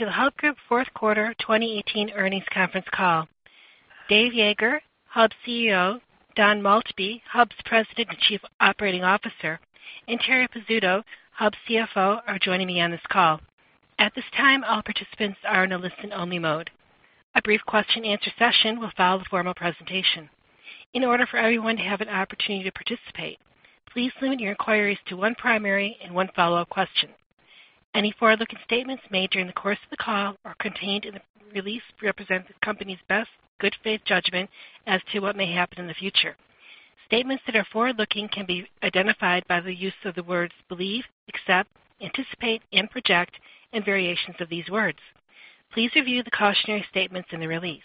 Welcome to the Hub Group fourth quarter 2018 earnings conference call. Dave Yeager, Hub's CEO, Donald Maltby, Hub's President and Chief Operating Officer, and Terri Pizzuto, Hub's CFO, are joining me on this call. At this time, all participants are in a listen-only mode. A brief question-answer session will follow the formal presentation. In order for everyone to have an opportunity to participate, please limit your inquiries to one primary and one follow-up question. Any forward-looking statements made during the course of the call or contained in the release represent the company's best good faith judgment as to what may happen in the future. Statements that are forward-looking can be identified by the use of the words believe, except, anticipate, and project, and variations of these words. Please review the cautionary statements in the release.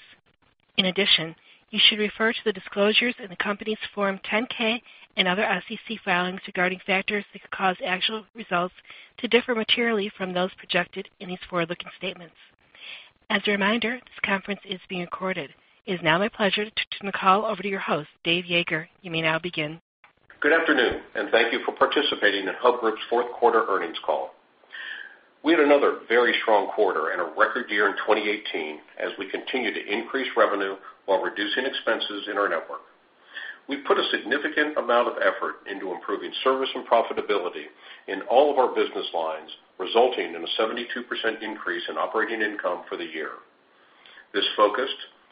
You should refer to the disclosures in the company's Form 10-K and other SEC filings regarding factors that could cause actual results to differ materially from those projected in these forward-looking statements. As a reminder, this conference is being recorded. It is now my pleasure to turn the call over to your host, Dave Yeager. You may now begin. Good afternoon, and thank you for participating in Hub Group's fourth quarter earnings call. We had another very strong quarter and a record year in 2018 as we continue to increase revenue while reducing expenses in our network. We put a significant amount of effort into improving service and profitability in all of our business lines, resulting in a 72% increase in operating income for the year. This focus,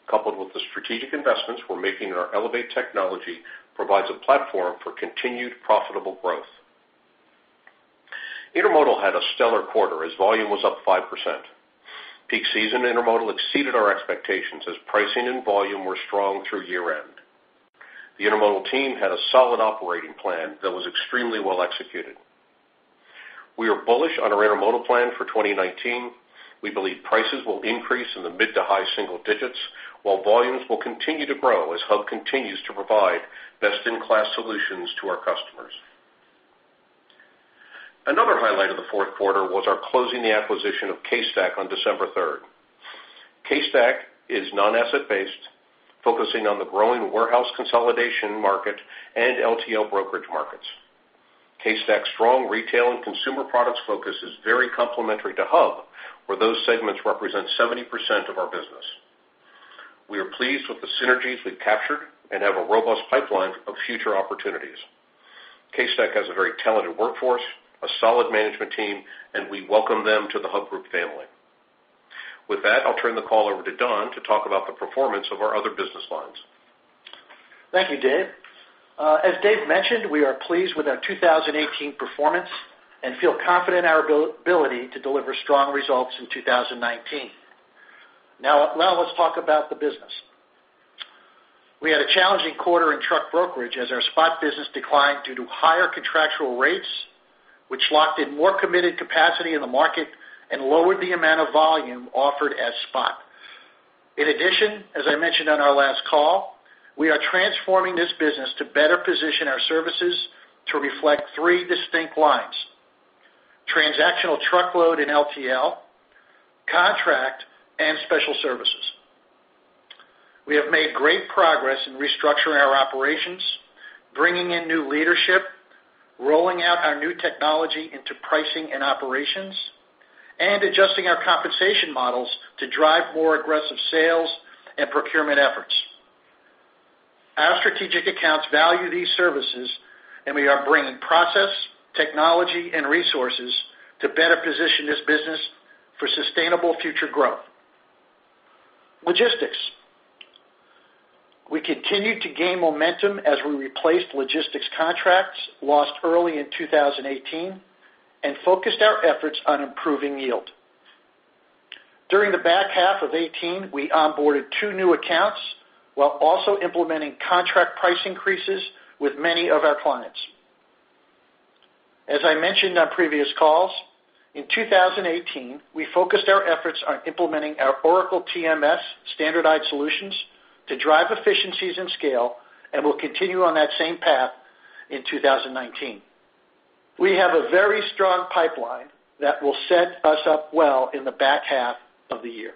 coupled with the strategic investments we're making in our Elevate technology, provides a platform for continued profitable growth. Intermodal had a stellar quarter as volume was up 5%. Peak season intermodal exceeded our expectations as pricing and volume were strong through year-end. The intermodal team had a solid operating plan that was extremely well executed. We are bullish on our intermodal plan for 2019. We believe prices will increase in the mid to high single digits while volumes will continue to grow as Hub continues to provide best-in-class solutions to our customers. Another highlight of the fourth quarter was our closing the acquisition of CaseStack on December 3rd. CaseStack is non-asset-based, focusing on the growing warehouse consolidation market and LTL brokerage markets. CaseStack's strong retail and consumer products focus is very complementary to Hub, where those segments represent 70% of our business. We are pleased with the synergies we've captured and have a robust pipeline of future opportunities. CaseStack has a very talented workforce, a solid management team, and we welcome them to the Hub Group family. With that, I'll turn the call over to Don to talk about the performance of our other business lines. Thank you, Dave. As Dave mentioned, we are pleased with our 2018 performance and feel confident in our ability to deliver strong results in 2019. Now let's talk about the business. We had a challenging quarter in truck brokerage as our spot business declined due to higher contractual rates, which locked in more committed capacity in the market and lowered the amount of volume offered as spot. In addition, as I mentioned on our last call, we are transforming this business to better position our services to reflect three distinct lines, transactional truckload and LTL, contract, and special services. We have made great progress in restructuring our operations, bringing in new leadership, rolling out our new technology into pricing and operations, and adjusting our compensation models to drive more aggressive sales and procurement efforts. Our strategic accounts value these services. We are bringing process, technology, and resources to better position this business for sustainable future growth. Logistics. We continued to gain momentum as we replaced logistics contracts lost early in 2018 and focused our efforts on improving yield. During the back half of 2018, we onboarded two new accounts while also implementing contract price increases with many of our clients. As I mentioned on previous calls, in 2018, we focused our efforts on implementing our Oracle TMS standardized solutions to drive efficiencies and scale and will continue on that same path in 2019. We have a very strong pipeline that will set us up well in the back half of the year.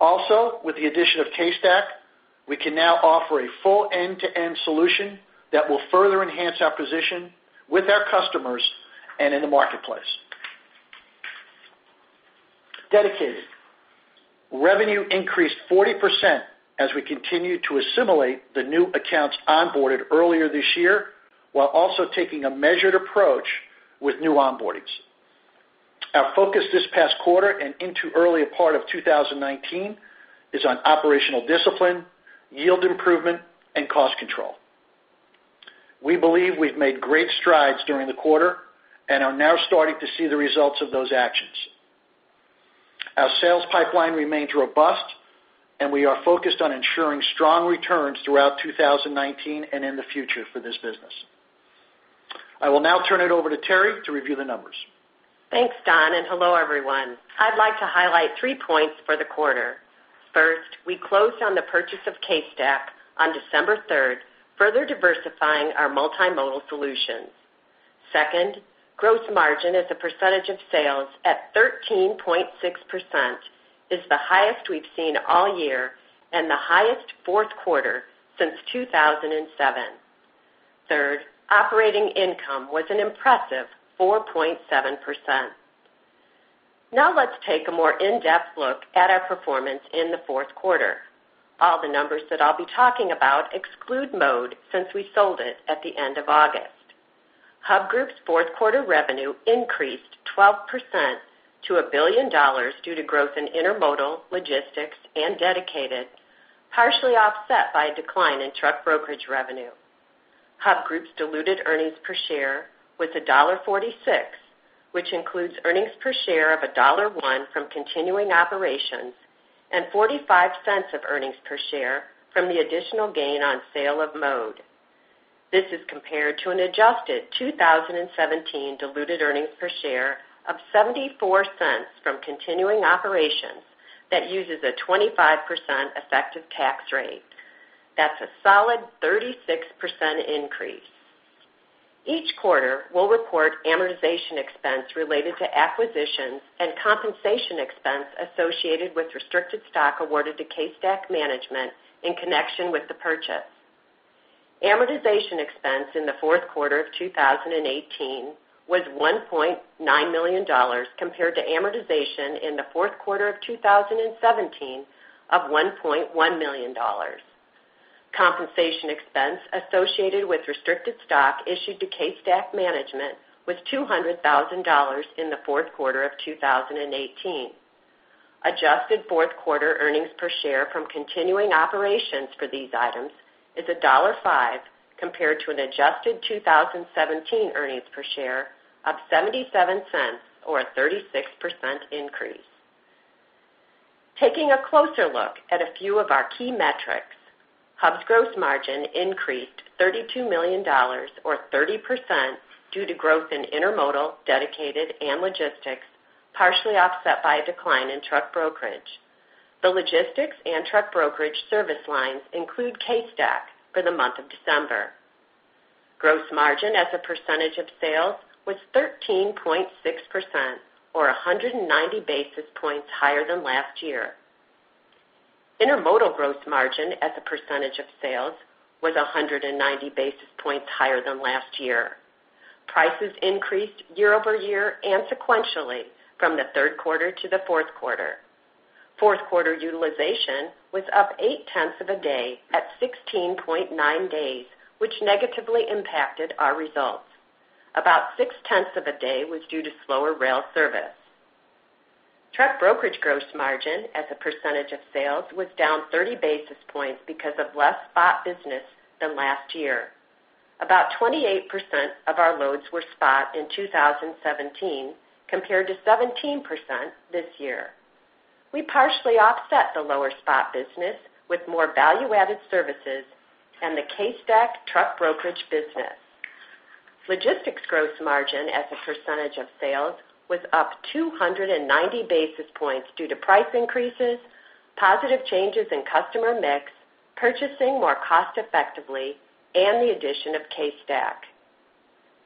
Also, with the addition of CaseStack, we can now offer a full end-to-end solution that will further enhance our position with our customers and in the marketplace. Dedicated. Revenue increased 40% as we continued to assimilate the new accounts onboarded earlier this year while also taking a measured approach with new onboardings. Our focus this past quarter and into early part of 2019 is on operational discipline, yield improvement, and cost control. We believe we've made great strides during the quarter and are now starting to see the results of those actions. Our sales pipeline remains robust. We are focused on ensuring strong returns throughout 2019 and in the future for this business. I will now turn it over to Terri to review the numbers. Thanks, Don. Hello, everyone. I'd like to highlight three points for the quarter. First, we closed on the purchase of CaseStack on December 3rd, further diversifying our multimodal solutions. Second, gross margin as a percentage of sales at 13.6% is the highest we've seen all year and the highest fourth quarter since 2007. Operating income was an impressive 4.7%. Let's take a more in-depth look at our performance in the fourth quarter. All the numbers that I'll be talking about exclude Mode, since we sold it at the end of August. Hub Group's fourth quarter revenue increased 12% to $1 billion due to growth in intermodal, logistics, and dedicated, partially offset by a decline in truck brokerage revenue. Hub Group's diluted earnings per share was $1.46, which includes earnings per share of $1.01 from continuing operations and $0.45 of earnings per share from the additional gain on sale of Mode. This is compared to an adjusted 2017 diluted earnings per share of $0.74 from continuing operations that uses a 25% effective tax rate. That's a solid 36% increase. Each quarter, we'll report amortization expense related to acquisitions and compensation expense associated with restricted stock awarded to CaseStack management in connection with the purchase. Amortization expense in the fourth quarter of 2018 was $1.9 million, compared to amortization in the fourth quarter of 2017 of $1.1 million. Compensation expense associated with restricted stock issued to CaseStack management was $200,000 in the fourth quarter of 2018. Adjusted fourth quarter earnings per share from continuing operations for these items is $1.05, compared to an adjusted 2017 earnings per share of $0.77 or a 36% increase. Taking a closer look at a few of our key metrics, Hub's gross margin increased $32 million, or 30%, due to growth in intermodal, dedicated, and logistics, partially offset by a decline in truck brokerage. The logistics and truck brokerage service lines include CaseStack for the month of December. Gross margin as a percentage of sales was 13.6%, or 190 basis points higher than last year. Intermodal gross margin as a percentage of sales was 190 basis points higher than last year. Prices increased year-over-year and sequentially from the third quarter to the fourth quarter. Fourth quarter utilization was up 0.8 of a day at 16.9 days, which negatively impacted our results. About 0.6 of a day was due to slower rail service. Truck brokerage gross margin as a percentage of sales was down 30 basis points because of less spot business than last year. About 28% of our loads were spot in 2017, compared to 17% this year. We partially offset the lower spot business with more value-added services and the CaseStack truck brokerage business. Logistics gross margin as a percentage of sales was up 290 basis points due to price increases, positive changes in customer mix, purchasing more cost effectively, and the addition of CaseStack.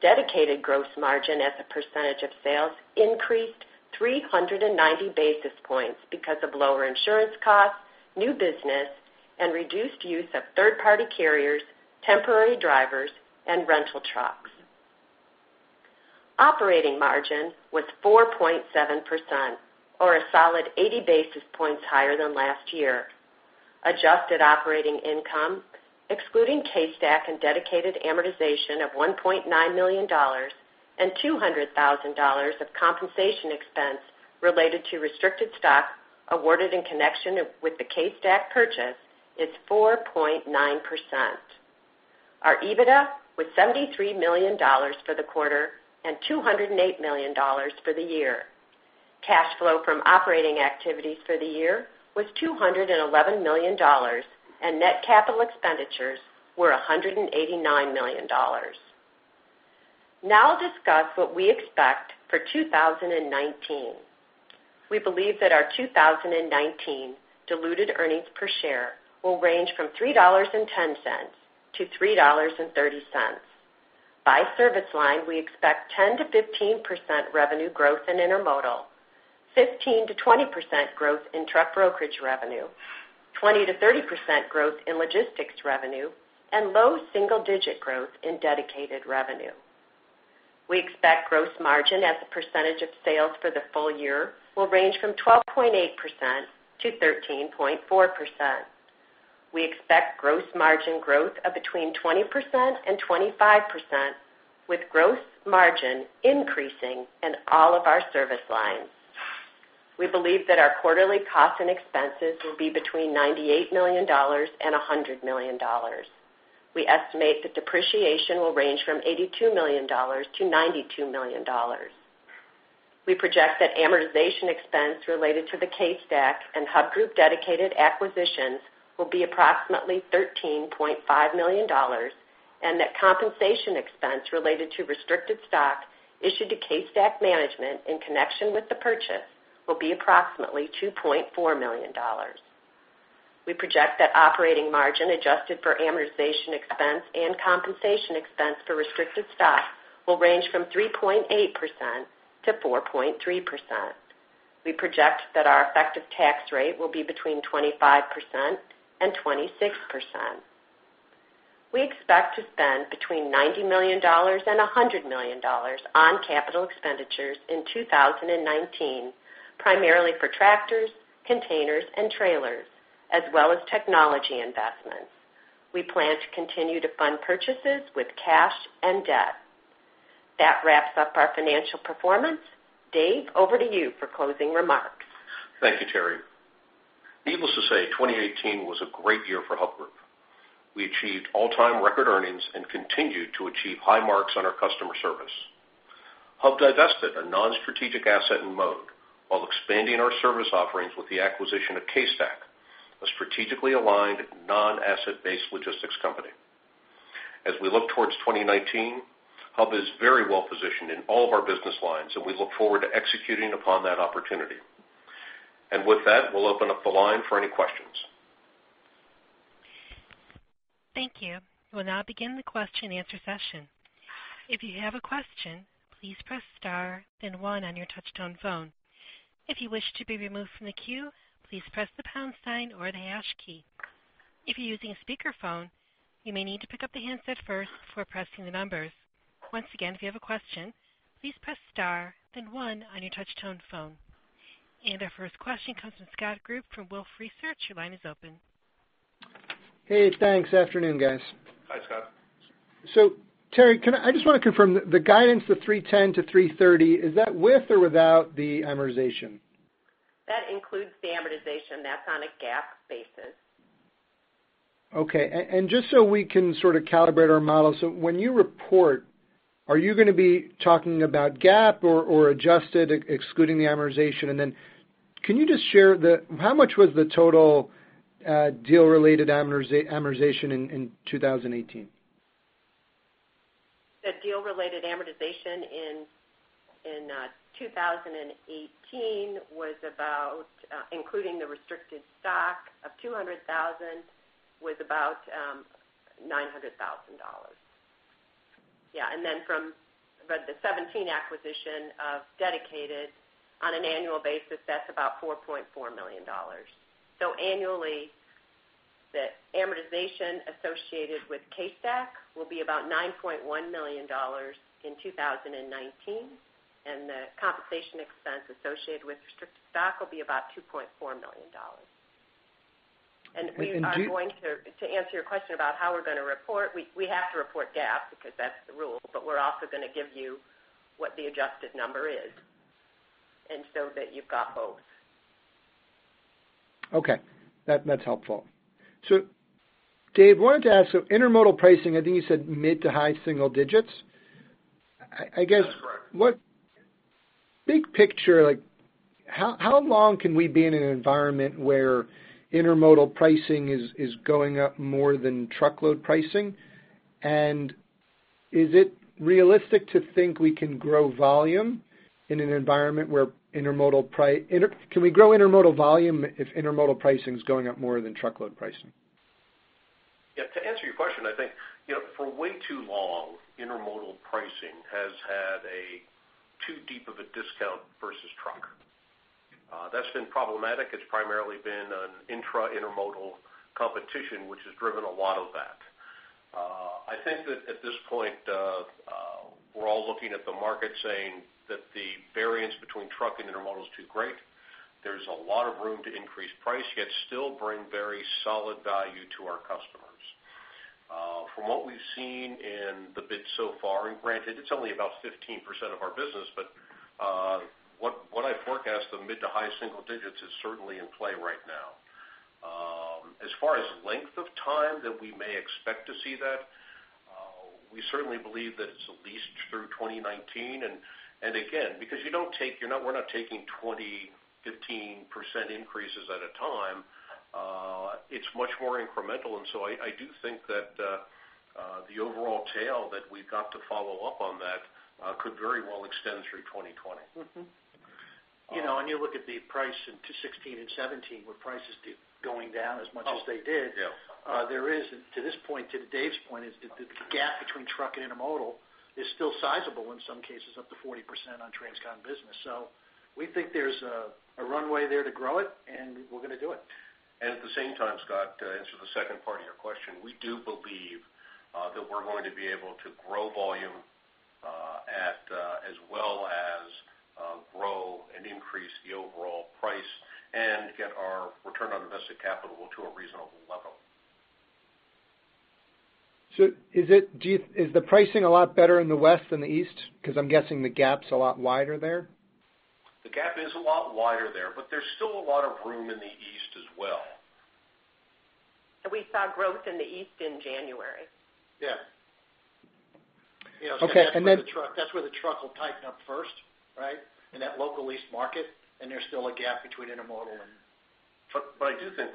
Dedicated gross margin as a percentage of sales increased 390 basis points because of lower insurance costs, new business, and reduced use of third-party carriers, temporary drivers, and rental trucks. Operating margin was 4.7%, or a solid 80 basis points higher than last year. Adjusted operating income, excluding CaseStack and dedicated amortization of $1.9 million and $200,000 of compensation expense related to restricted stock awarded in connection with the CaseStack purchase, is 4.9%. Our EBITDA was $73 million for the quarter and $208 million for the year. Cash flow from operating activities for the year was $211 million, and net capital expenditures were $189 million. I'll discuss what we expect for 2019. We believe that our 2019 diluted earnings per share will range from $3.10 to $3.30. By service line, we expect 10%-15% revenue growth in intermodal, 15%-20% growth in truck brokerage revenue, 20%-30% growth in logistics revenue, and low double-digit growth in dedicated revenue. We expect gross margin as a percentage of sales for the full year will range from 12.8%-13.4%. We expect gross margin growth of between 20% and 25%, with gross margin increasing in all of our service lines. We believe that our quarterly costs and expenses will be between $98 million and $100 million. We estimate that depreciation will range from $82 million to $92 million. We project that amortization expense related to the CaseStack and Hub Group Dedicated acquisitions will be approximately $13.5 million, that compensation expense related to restricted stock issued to CaseStack management in connection with the purchase will be approximately $2.4 million. We project that operating margin adjusted for amortization expense and compensation expense for restricted stock will range from 3.8%-4.3%. We project that our effective tax rate will be between 25% and 26%. We expect to spend between $90 million and $100 million on capital expenditures in 2019, primarily for tractors, containers, and trailers, as well as technology investments. We plan to continue to fund purchases with cash and debt. That wraps up our financial performance. Dave, over to you for closing remarks. Thank you, Terri. Needless to say, 2018 was a great year for Hub Group. We achieved all-time record earnings and continued to achieve high marks on our customer service. Hub divested a non-strategic asset in Mode, while expanding our service offerings with the acquisition of CaseStack, a strategically aligned non-asset-based logistics company. As we look towards 2019, Hub is very well-positioned in all of our business lines, and we look forward to executing upon that opportunity. With that, we'll open up the line for any questions. Thank you. We'll now begin the question and answer session. If you have a question, please press star, then one on your touchtone phone. If you wish to be removed from the queue, please press the pound sign or the hash key. If you're using a speakerphone, you may need to pick up the handset first before pressing the numbers. Once again, if you have a question, please press star, then one on your touchtone phone. Our first question comes from Scott Group from Wolfe Research. Your line is open. Hey, thanks. Afternoon, guys. Hi, Scott. Terri, I just want to confirm, the guidance, the $3.10-$3.30, is that with or without the amortization? That includes the amortization. That's on a GAAP basis. Okay. Just so we can sort of calibrate our models, when you report, are you going to be talking about GAAP or adjusted, excluding the amortization? Can you just share how much was the total deal-related amortization in 2018? The deal-related amortization in 2018, including the restricted stock of 200,000, was about $900,000. Yeah. From the 2017 acquisition of Dedicated, on an annual basis, that's about $4.4 million. Annually, the amortization associated with CaseStack will be about $9.1 million in 2019, and the compensation expense associated with restricted stock will be about $2.4 million. To answer your question about how we're going to report, we have to report GAAP because that's the rule, but we're also going to give you what the adjusted number is, so that you've got both. Okay. That's helpful. Dave, wanted to ask, intermodal pricing, I think you said mid to high single digits? That's correct. Big picture, how long can we be in an environment where intermodal pricing is going up more than truckload pricing? Is it realistic to think we can grow volume in an environment where can we grow intermodal volume if intermodal pricing is going up more than truckload pricing? Yeah, to answer your question, I think, for way too long, intermodal pricing has had a too deep of a discount versus truck. That's been problematic. It's primarily been an intra-intermodal competition, which has driven a lot of that. I think that at this point, we're all looking at the market saying that the variance between truck and intermodal is too great. There's a lot of room to increase price, yet still bring very solid value to our customers. From what we've seen in the bids so far, and granted, it's only about 15% of our business, but what I forecast the mid to high single digits is certainly in play right now. As far as length of time that we may expect to see that, we certainly believe that it's at least through 2019, and again, because we're not taking 20, 15% increases at a time. It's much more incremental, I do think that the overall tail that we've got to follow up on that could very well extend through 2020. You look at the price in 2016 and 2017, where prices keep going down as much as they did. Oh, yeah. To this point, to Dave's point, the gap between truck and intermodal is still sizable, in some cases up to 40% on transcon business. We think there's a runway there to grow it, and we're going to do it. At the same time, Scott, to answer the second part of your question, we do believe that we're going to be able to grow volume as well as grow and increase the overall price and get our return on invested capital to a reasonable level. Is the pricing a lot better in the West than the East? Because I'm guessing the gap's a lot wider there. The gap is a lot wider there's still a lot of room in the East as well. We saw growth in the East in January. Yeah. Okay. That's where the truck will tighten up first, right? In that local lease market, and there's still a gap between intermodal and truck. I do think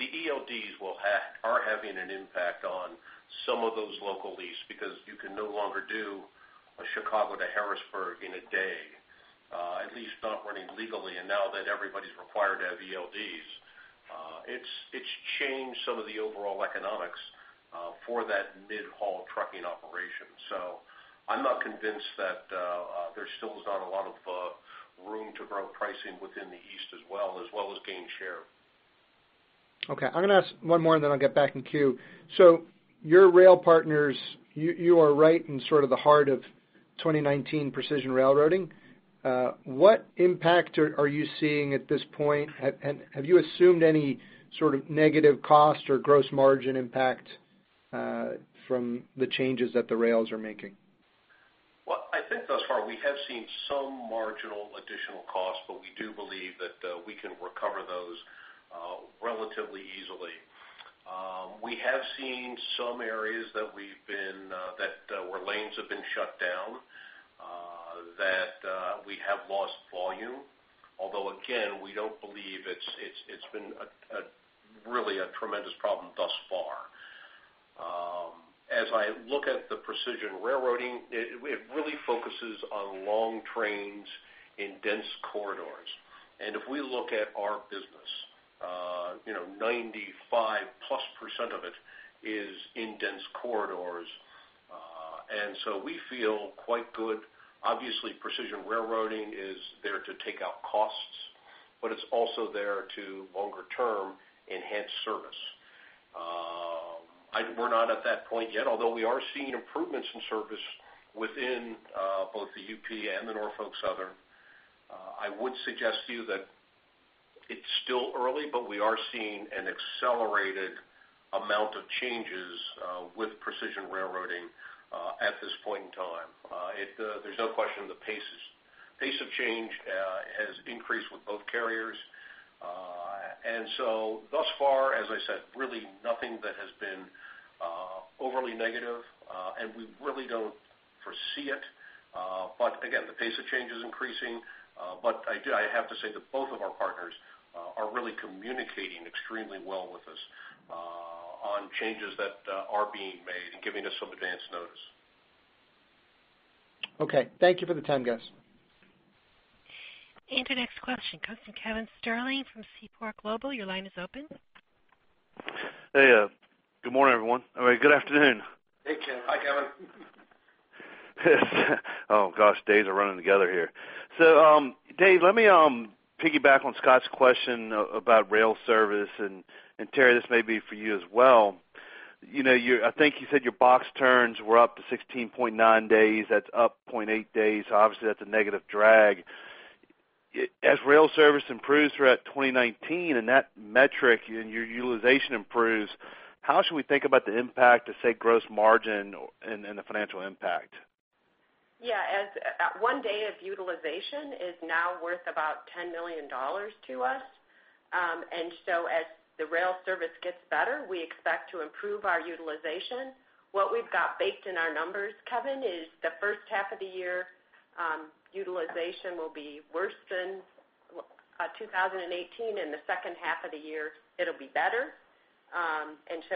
the ELDs are having an impact on some of those local lease because you can no longer do a Chicago to Harrisburg in a day, at least not running legally. Now that everybody's required to have ELDs, it's changed some of the overall economics for that mid-haul trucking operation. I'm not convinced that there still is not a lot of room to grow pricing within the East as well as gain share. Okay. I'm going to ask one more, and then I'll get back in queue. Your rail partners, you are right in sort of the heart of 2019 precision railroading. What impact are you seeing at this point? Have you assumed any sort of negative cost or gross margin impact from the changes that the rails are making? I think thus far we have seen some marginal additional costs, we do believe that we can recover those relatively easily. We have seen some areas where lanes have been shut down, that we have lost volume. Again, we don't believe it's been really a tremendous problem thus far. As I look at the precision railroading, it really focuses on long trains in dense corridors. If we look at our business, 95-plus % of it is in dense corridors. We feel quite good. Obviously, precision railroading is there to take out costs, but it's also there to, longer term, enhance service. We're not at that point yet, although we are seeing improvements in service within both the UP and the Norfolk Southern. I would suggest to you that it's still early, we are seeing an accelerated amount of changes with precision railroading at this point in time. There's no question the pace of change has increased with both carriers. Thus far, as I said, really nothing that has been overly negative, and we really don't foresee it. Again, the pace of change is increasing. I have to say that both of our partners are really communicating extremely well with us on changes that are being made and giving us some advance notice. Okay. Thank you for the time, guys. Your next question comes from Kevin Sterling from Seaport Global. Your line is open. Hey, good morning, everyone. Good afternoon. Hey, Kevin. Hi, Kevin. Oh, gosh, days are running together here. Dave, let me piggyback on Scott's question about rail service, and Terri, this may be for you as well. I think you said your box turns were up to 16.9 days. That's up 0.8 days. Obviously, that's a negative drag. As rail service improves throughout 2019 and that metric in your utilization improves, how should we think about the impact to, say, gross margin and the financial impact? Yeah. One day of utilization is now worth about $10 million to us. As the rail service gets better, we expect to improve our utilization. What we've got baked in our numbers, Kevin, is the first half of the year, utilization will be worse than 2018, and the second half of the year, it'll be better.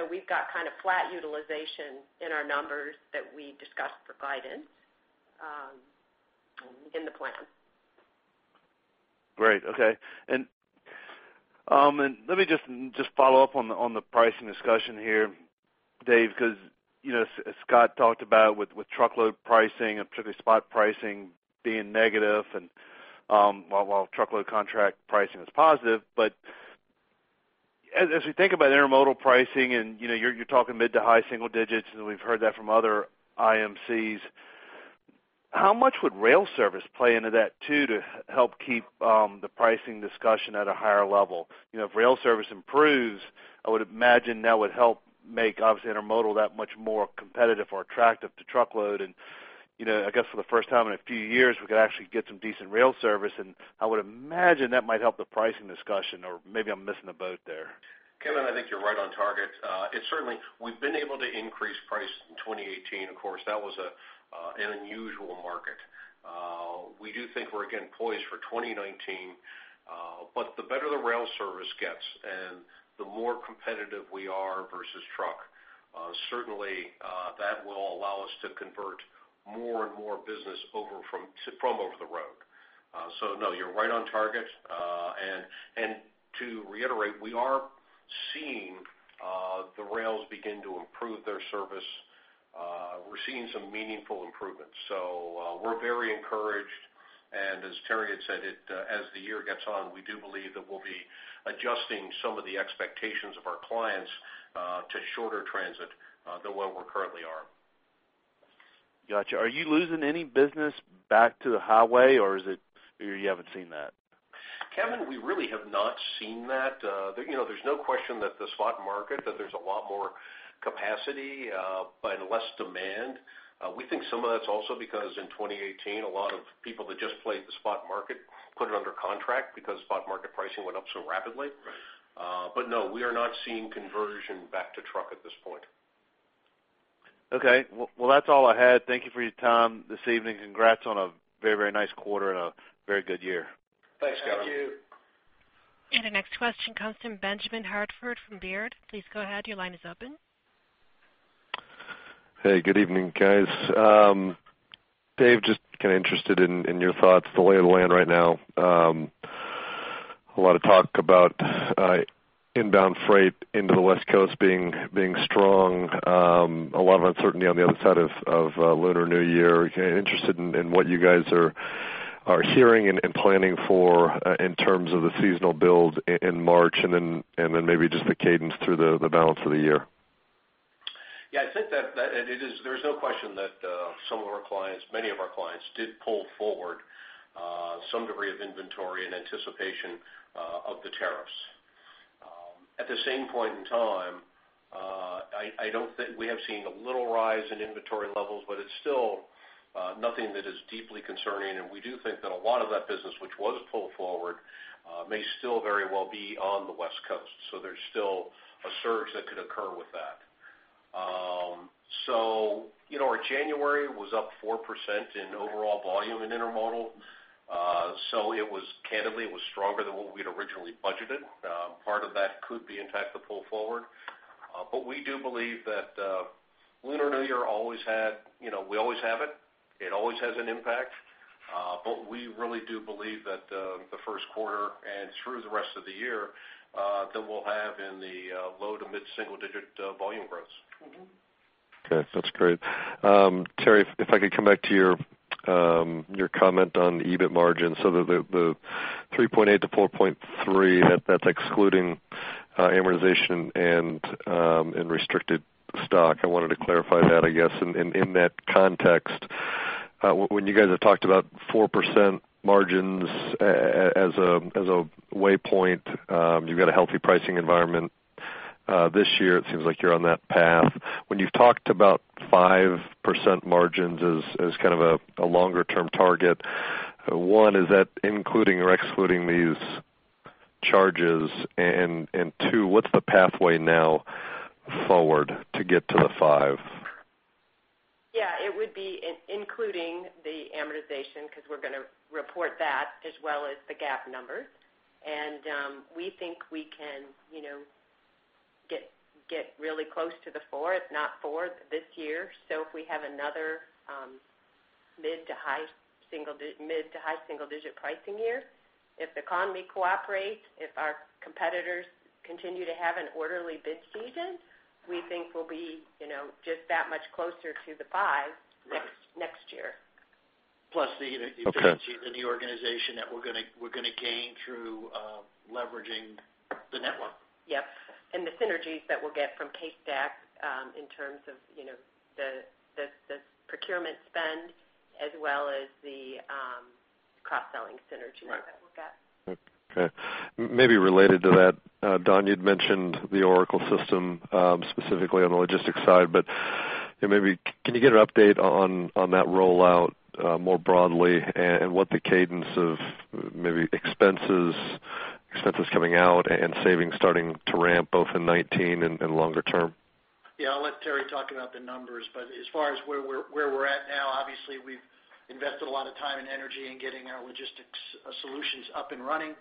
We've got kind of flat utilization in our numbers that we discussed for guidance in the plan. Great. Okay. Let me just follow up on the pricing discussion here, Dave, because as Scott talked about with truckload pricing, and particularly spot pricing being negative, and while truckload contract pricing is positive. As we think about intermodal pricing, and you're talking mid to high single digits, and we've heard that from other IMCs, how much would rail service play into that too to help keep the pricing discussion at a higher level? If rail service improves, I would imagine that would help make, obviously, intermodal that much more competitive or attractive to truckload. I guess for the first time in a few years, we could actually get some decent rail service, and I would imagine that might help the pricing discussion, or maybe I'm missing the boat there. Kevin, I think you're right on target. We've been able to increase price in 2018. Of course, that was an unusual market. We do think we're again poised for 2019. The better the rail service gets and the more competitive we are versus truck, certainly that will allow us to convert more and more business from over the road. No, you're right on target. To reiterate, we are seeing the rails begin to improve their service. We're seeing some meaningful improvements. We're very encouraged. As Terri had said, as the year gets on, we do believe that we'll be adjusting some of the expectations of our clients to shorter transit than what we currently are. Got you. Are you losing any business back to the highway, or you haven't seen that? Kevin, we really have not seen that. There's no question that the spot market, that there's a lot more capacity but less demand. We think some of that's also because in 2018, a lot of people that just played the spot market put it under contract because spot market pricing went up so rapidly. Right. No, we are not seeing conversion back to truck at this point. Okay. Well, that's all I had. Thank you for your time this evening. Congrats on a very nice quarter and a very good year. Thanks, Kevin. Thank you. The next question comes from Benjamin Hartford from Baird. Please go ahead. Your line is open. Hey, good evening, guys. Dave, just kind of interested in your thoughts, the lay of the land right now. A lot of talk about inbound freight into the West Coast being strong. A lot of uncertainty on the other side of Lunar New Year. Interested in what you guys are hearing and planning for in terms of the seasonal build in March, and then maybe just the cadence through the balance of the year. Yeah, there's no question that many of our clients did pull forward some degree of inventory in anticipation of the tariffs. At the same point in time, we have seen a little rise in inventory levels, but it's still nothing that is deeply concerning. We do think that a lot of that business, which was pulled forward, may still very well be on the West Coast. There's still a surge that could occur with that. Our January was up 4% in overall volume in intermodal. Candidly, it was stronger than what we had originally budgeted. Part of that could be, in fact, the pull forward. We do believe that Lunar New Year, we always have it. It always has an impact. We really do believe that the first quarter and through the rest of the year, that we'll have in the low- to mid-single digit volume growth. Okay. That's great. Terri, if I could come back to your comment on the EBIT margin. The 3.8%-4.3%, that's excluding amortization and restricted stock. I wanted to clarify that, I guess, in that context. When you guys have talked about 4% margins as a waypoint, you've got a healthy pricing environment. This year it seems like you're on that path. When you've talked about 5% margins as kind of a longer-term target, one, is that including or excluding these charges? Two, what's the pathway now forward to get to the five? Yeah, it would be including the amortization, because we're going to report that as well as the GAAP numbers. We think we can get really close to the four, if not four this year. If we have another mid- to high single-digit pricing year, if the economy cooperates, if our competitors continue to have an orderly bid season, we think we'll be just that much closer to the five next year. Plus the efficiencies Okay in the organization that we're going to gain through leveraging the network. Yep. The synergies that we'll get from CaseStack in terms of the procurement spend as well as the cross-selling synergies that we'll get. Okay. Maybe related to that, Don, you'd mentioned the Oracle system specifically on the logistics side, but maybe can you get an update on that rollout more broadly and what the cadence of maybe expenses coming out and savings starting to ramp both in 2019 and longer term? Yeah, I'll let Terri talk about the numbers. As far as where we're at now, obviously we've invested a lot of time and energy in getting our logistics solutions up and running.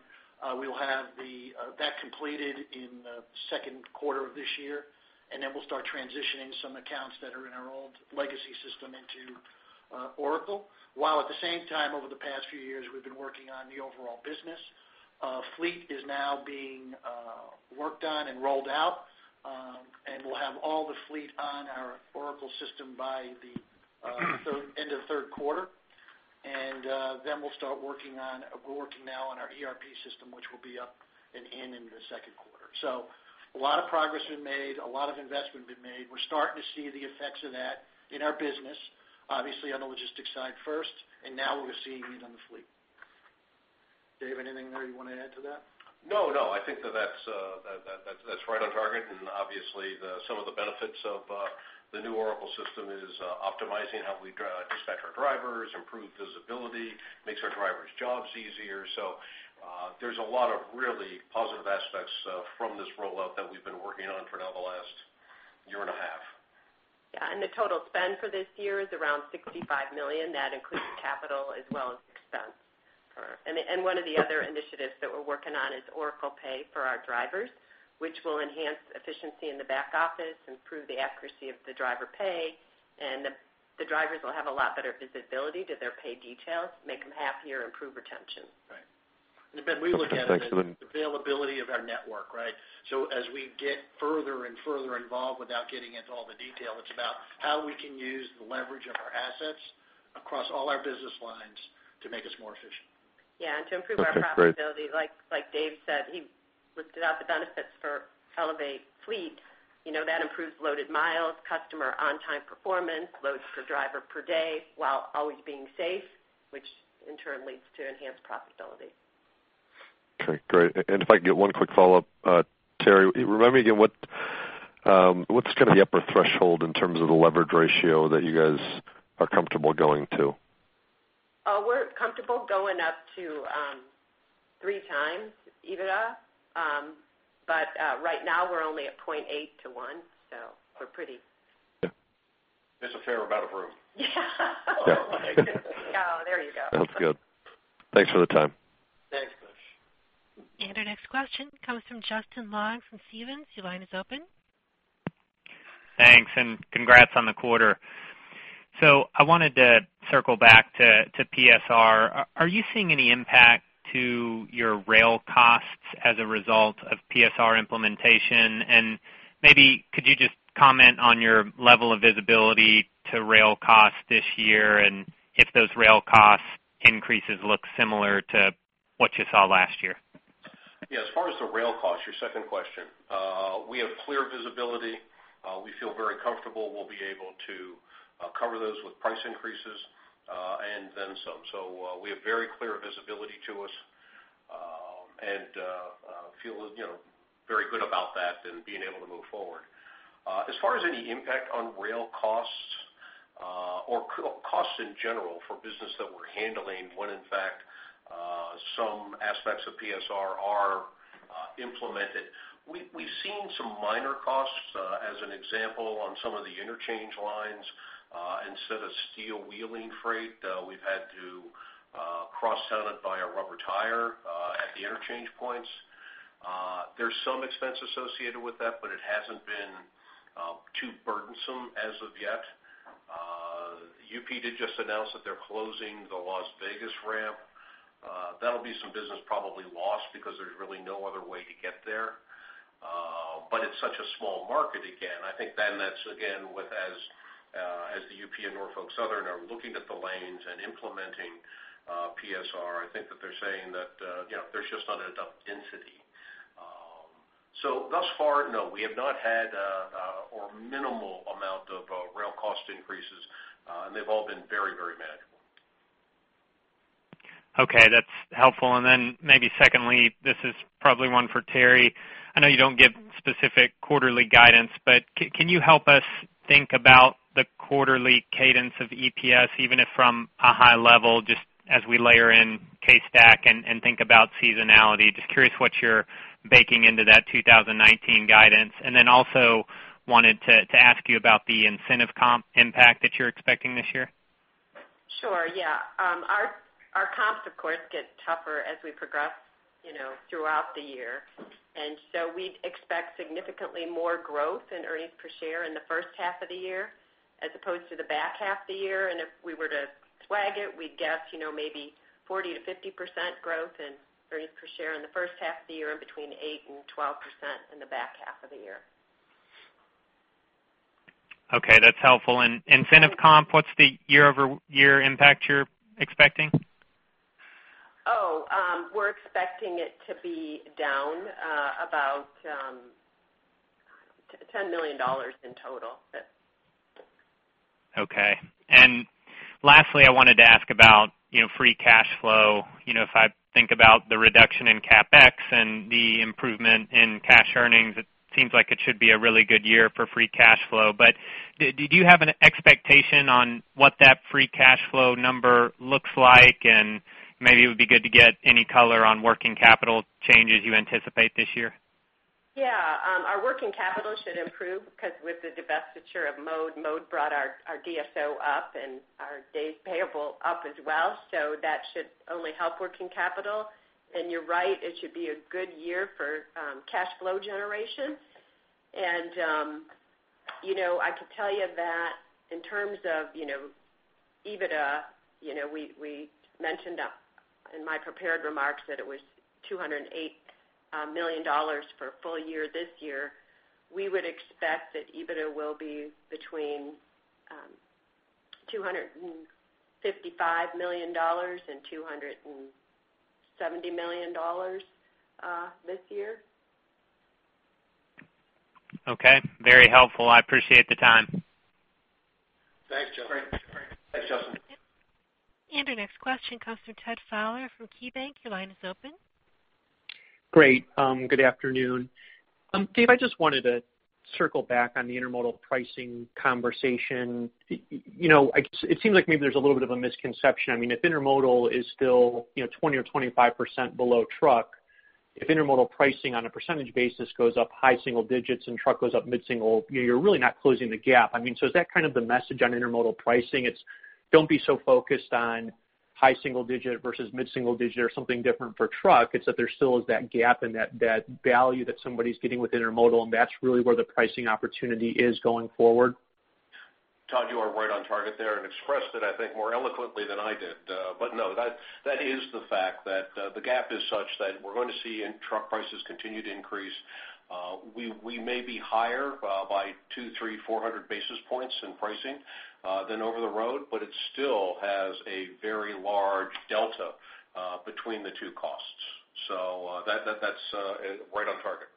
We will have that completed in the second quarter of this year. Then we'll start transitioning some accounts that are in our old legacy system into Oracle. While at the same time, over the past few years, we've been working on the overall business. Fleet is now being worked on and rolled out. We'll have all the fleet on our Oracle system by the end of third quarter. Then we're working now on our ERP system, which will be up and in in the second quarter. A lot of progress been made, a lot of investment been made. We're starting to see the effects of that in our business, obviously on the logistics side first, and now we're seeing it on the fleet. Dave, anything there you want to add to that? No, I think that's right on target. Obviously some of the benefits of the new Oracle system is optimizing how we dispatch our drivers, improve visibility, makes our drivers' jobs easier. There's a lot of really positive aspects from this rollout that we've been working on for now the last year and a half. Yeah, the total spend for this year is around $65 million. That includes capital as well as expense. One of the other initiatives that we're working on is Oracle Pay for our drivers, which will enhance efficiency in the back office, improve the accuracy of the driver pay. The drivers will have a lot better visibility to their pay details, make them happier, improve retention. Ben, we look at it as availability of our network, right? As we get further and further involved, without getting into all the detail, it's about how we can use the leverage of our assets across all our business lines to make us more efficient. Yeah, to improve our profitability. Okay, great. Like Dave said, he listed out the benefits for Elevate Fleet. That improves loaded miles, customer on-time performance, loads per driver per day, while always being safe, which in turn leads to enhanced profitability. Okay, great. If I could get one quick follow-up. Terri, remind me again, what's kind of the upper threshold in terms of the leverage ratio that you guys are comfortable going to? We're comfortable going up to three times EBITDA. Right now we're only at 0.8 to 1, so we're pretty Missed a zero, we're out of room. Yeah. Yeah. Oh, there you go. That's good. Thanks for the time. Our next question comes from Justin Long from Stephens. Your line is open. Thanks, and congrats on the quarter. I wanted to circle back to PSR. Are you seeing any impact to your rail costs as a result of PSR implementation? Maybe could you just comment on your level of visibility to rail costs this year, and if those rail cost increases look similar to what you saw last year? As far as the rail costs, your second question, we have clear visibility. We feel very comfortable we'll be able to cover those with price increases, and then some. We have very clear visibility to us, and feel very good about that and being able to move forward. As far as any impact on rail costs, or costs in general for business that we're handling, when in fact some aspects of PSR are implemented, we've seen some minor costs, as an example, on some of the interchange lines. Instead of steel wheeling freight, we've had to cross-haul it via rubber tire at the interchange points. There's some expense associated with that, but it hasn't been too burdensome as of yet. UP did just announce that they're closing the Las Vegas ramp. That'll be some business probably lost because there's really no other way to get there. It's such a small market again. I think that's again, as the UP and Norfolk Southern are looking at the lanes and implementing PSR, I think that they're saying that there's just not enough density. Thus far, no. We have not had or minimal amount of rail cost increases. They've all been very manageable. Okay. That's helpful. Maybe secondly, this is probably one for Terri. I know you don't give specific quarterly guidance, can you help us think about the quarterly cadence of EPS, even if from a high level, just as we layer in CaseStack and think about seasonality? Just curious what you're baking into that 2019 guidance. Also wanted to ask you about the incentive comp impact that you're expecting this year. Sure, yeah. Our comps, of course, get tougher as we progress throughout the year. We'd expect significantly more growth in earnings per share in the first half of the year as opposed to the back half of the year. If we were to swag it, we'd guess maybe 40%-50% growth in earnings per share in the first half of the year and between 8% and 12% in the back half of the year. Okay. That's helpful. Incentive comp, what's the year-over-year impact you're expecting? We're expecting it to be down about $10 million in total. Okay. Lastly, I wanted to ask about free cash flow. If I think about the reduction in CapEx and the improvement in cash earnings, it seems like it should be a really good year for free cash flow. Did you have an expectation on what that free cash flow number looks like? Maybe it would be good to get any color on working capital changes you anticipate this year. Our working capital should improve because with the divestiture of Mode brought our DSO up and our days payable up as well. That should only help working capital. You're right, it should be a good year for cash flow generation. I could tell you that in terms of EBITDA, we mentioned in my prepared remarks that it was $208 million for a full year this year. We would expect that EBITDA will be between $255 million and $270 million this year. Okay. Very helpful. I appreciate the time. Thanks, Justin. Great. Thanks, Justin. Our next question comes from Todd Fowler from KeyBanc. Your line is open. Great. Good afternoon. Dave, I just wanted to circle back on the intermodal pricing conversation. It seems like maybe there's a little bit of a misconception. If intermodal is still 20% or 25% below truck, if intermodal pricing on a percentage basis goes up high single digits and truck goes up mid single, you're really not closing the gap. Is that kind of the message on intermodal pricing? It's don't be so focused on high single digit versus mid single digit or something different for truck. It's that there still is that gap and that value that somebody's getting with intermodal, and that's really where the pricing opportunity is going forward. Todd, you are right on target there and expressed it, I think, more eloquently than I did. No, that is the fact that the gap is such that we're going to see truck prices continue to increase. We may be higher by 200, 300, 400 basis points in pricing than over the road, but it still has a very large delta between the two costs. That's right on target.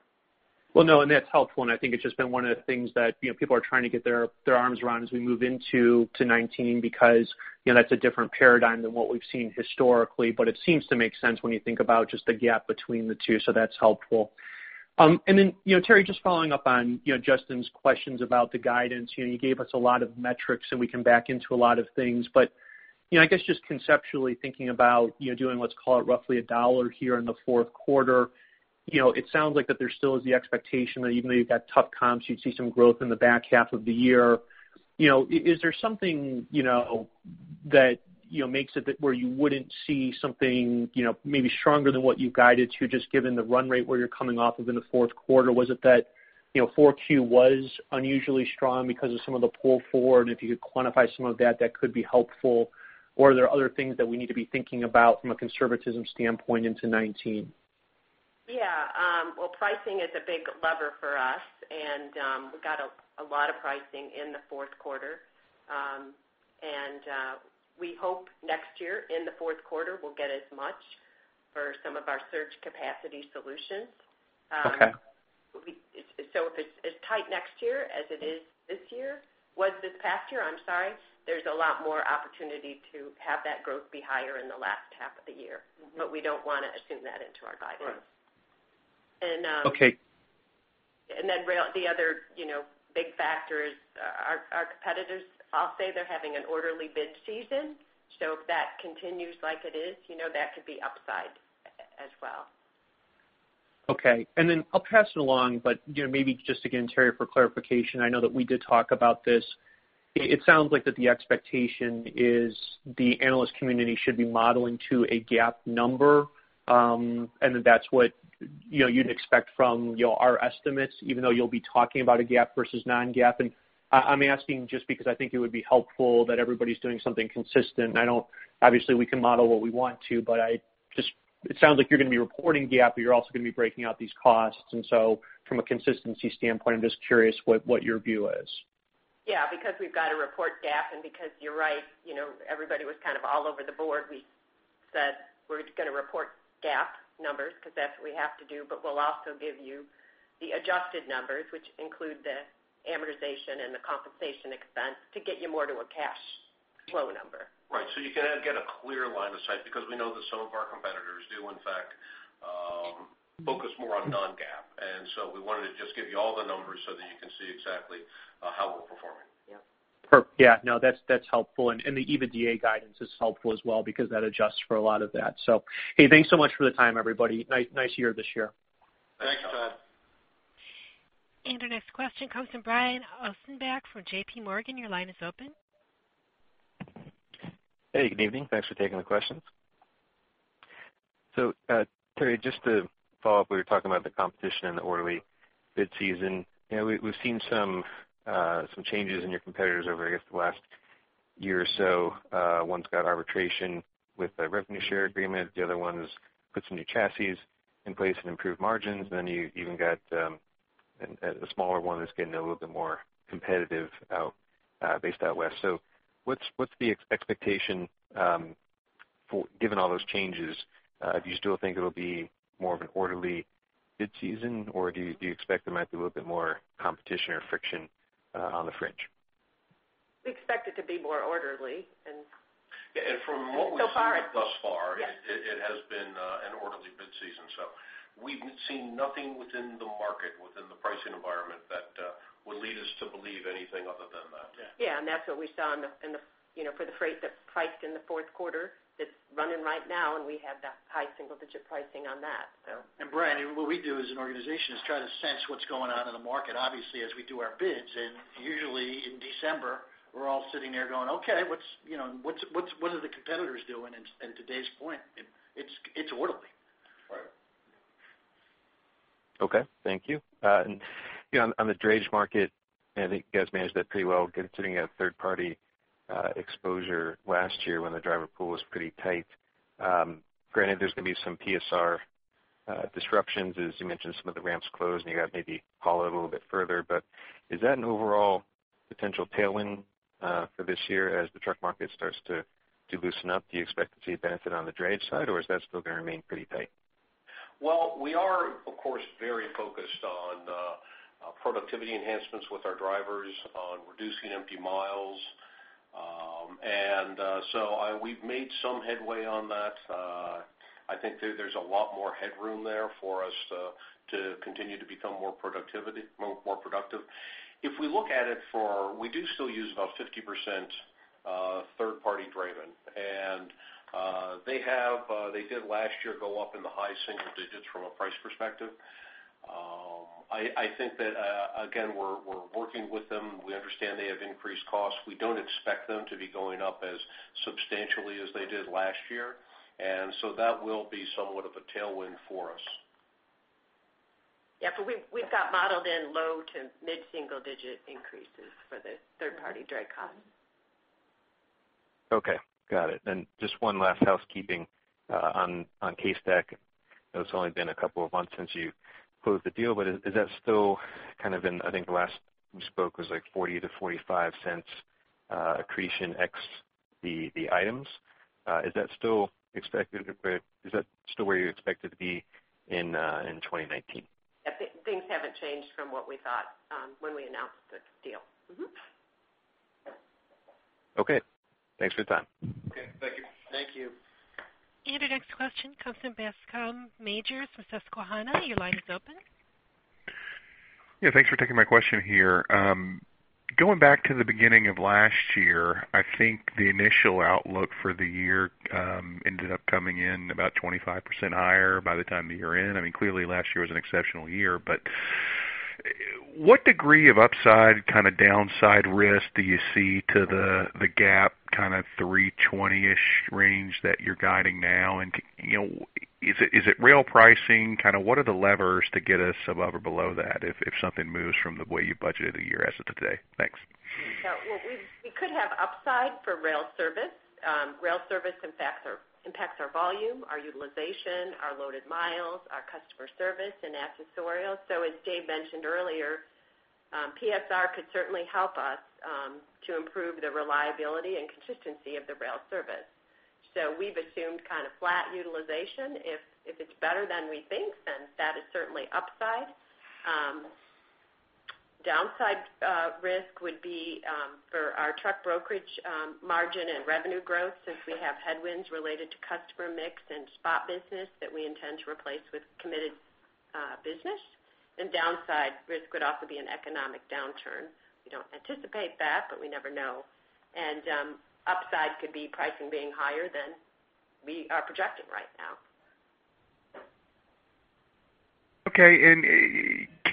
Well, no, that's helpful, and I think it's just been one of the things that people are trying to get their arms around as we move into 2019 because that's a different paradigm than what we've seen historically. It seems to make sense when you think about just the gap between the two, that's helpful. Then, Terri, just following up on Justin's questions about the guidance. You gave us a lot of metrics, and we can back into a lot of things. I guess just conceptually thinking about you doing what's called roughly $1 here in the fourth quarter. It sounds like that there still is the expectation that even though you've got tough comps, you'd see some growth in the back half of the year. Is there something That makes it that where you wouldn't see something maybe stronger than what you guided to, just given the run rate where you're coming off of in the fourth quarter. Was it that 4Q was unusually strong because of some of the pull forward? If you could quantify some of that could be helpful. Are there other things that we need to be thinking about from a conservatism standpoint into 2019? Yeah. Well, pricing is a big lever for us. We got a lot of pricing in the fourth quarter. We hope next year, in the fourth quarter, we'll get as much for some of our surge capacity solutions. Okay. If it's as tight next year as it was this past year, there's a lot more opportunity to have that growth be higher in the last half of the year. We don't want to assume that into our guidance. Okay. The other big factor is our competitors all say they're having an orderly bid season, so if that continues like it is, that could be upside as well. Okay. I'll pass it along, but maybe just again, Terri, for clarification, I know that we did talk about this. It sounds like that the expectation is the analyst community should be modeling to a GAAP number, and that that's what you'd expect from our estimates, even though you'll be talking about a GAAP versus non-GAAP. I'm asking just because I think it would be helpful that everybody's doing something consistent. Obviously, we can model what we want to, but it sounds like you're going to be reporting GAAP, but you're also going to be breaking out these costs. From a consistency standpoint, I'm just curious what your view is. Yeah. Because we've got to report GAAP, and because you're right, everybody was kind of all over the board. We said we're just going to report GAAP numbers because that's what we have to do, but we'll also give you the adjusted numbers, which include the amortization and the compensation expense to get you more to a cash flow number. You can get a clear line of sight, because we know that some of our competitors do, in fact, focus more on non-GAAP. We wanted to just give you all the numbers so that you can see exactly how we're performing. Yeah. Perfect. Yeah, no, that's helpful. The EBITDA guidance is helpful as well because that adjusts for a lot of that. Hey, thanks so much for the time, everybody. Nice year this year. Thanks, Todd. Our next question comes from Brian Ossenbeck from J.P. Morgan, your line is open. Hey, good evening. Thanks for taking the questions. Terri, just to follow up, we were talking about the competition and the orderly bid season. We've seen some changes in your competitors over, I guess, the last year or so. One's got arbitration with a revenue share agreement. The other one has put some new chassis in place and improved margins. You even got a smaller one that's getting a little bit more competitive based out west. What's the expectation given all those changes? Do you still think it'll be more of an orderly bid season, or do you expect there might be a little bit more competition or friction on the fringe? We expect it to be more orderly and. Yeah. from what we've. far it. seen thus far. Yes It has been an orderly bid season. We've seen nothing within the market, within the pricing environment that would lead us to believe anything other than that. Yeah. That's what we saw for the freight that priced in the fourth quarter that's running right now, and we have that high single-digit pricing on that. Brian, what we do as an organization is try to sense what's going on in the market, obviously, as we do our bids, and usually in December, we're all sitting there going, "Okay, what are the competitors doing?" To Dave's point, it's orderly. Right. Okay. Thank you. On the drayage market, I think you guys managed that pretty well considering you had third-party exposure last year when the driver pool was pretty tight. Granted, there's going to be some PSR disruptions, as you mentioned, some of the ramps closed, and you got maybe haul it a little bit further. Is that an overall potential tailwind for this year as the truck market starts to loosen up? Do you expect to see a benefit on the drayage side, or is that still going to remain pretty tight? Well, we are, of course, very focused on productivity enhancements with our drivers on reducing empty miles. We've made some headway on that. I think there's a lot more headroom there for us to continue to become more productive. If we look at it for, we do still use about 50% third-party draymen, and they did last year go up in the high single digits from a price perspective. I think that, again, we're working with them. We understand they have increased costs. We don't expect them to be going up as substantially as they did last year, that will be somewhat of a tailwind for us. Yeah, we've got modeled in low to mid-single digit increases for the third-party dray costs. Okay. Got it. Just one last housekeeping on CaseStack. I know it's only been a couple of months since you closed the deal, but is that still kind of in, I think the last we spoke was like $0.40-$0.45 accretion ex the items. Is that still where you expect it to be in 2019? Yeah. Things haven't changed from what we thought when we announced the deal. Mm-hmm. Okay. Thanks for your time. Okay, thank you. Thank you. Your next question comes from Bascome Majors from Susquehanna. Your line is open. Yeah, thanks for taking my question here. Going back to the beginning of last year, I think the initial outlook for the year ended up coming in about 25% higher by the time the year-end. Clearly last year was an exceptional year. What degree of upside, downside risk do you see to the GAAP kind of 320-ish range that you're guiding now? Is it rail pricing? What are the levers to get us above or below that if something moves from the way you budgeted the year as of today? Thanks. Well, we could have upside for rail service. Rail service impacts our volume, our utilization, our loaded miles, our customer service, and accessorial. As Dave mentioned earlier, PSR could certainly help us to improve the reliability and consistency of the rail service. We've assumed kind of flat utilization. If it's better than we think, then that is certainly upside. Downside risk would be for our truck brokerage margin and revenue growth since we have headwinds related to customer mix and spot business that we intend to replace with committed business. Downside risk could also be an economic downturn. We don't anticipate that, but we never know. Upside could be pricing being higher than we are projecting right now. Okay.